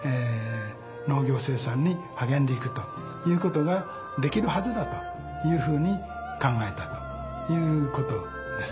農業生産に励んでいくということができるはずだというふうに考えたということです。